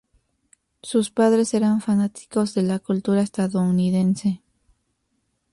Sus padres eran fanáticos de la cultura estadounidense.